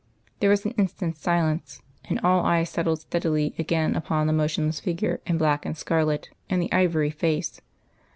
There was an instant's silence, and all eyes settled steadily again upon the motionless figure in black and scarlet and the ivory face.